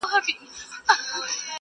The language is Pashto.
ته چي هري خواته ځې ځه پر هغه ځه،